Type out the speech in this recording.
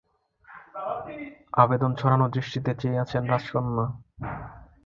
আবেদন ছড়ানো দৃষ্টিতে চেয়ে আছেন রাজকন্যা।